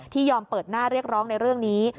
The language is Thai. ยอมเปิดหน้าเรียกร้องในเรื่องนี้